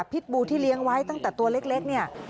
บูที่เลี้ยงไว้ตั้งแต่ตัวเล็กเนี่ย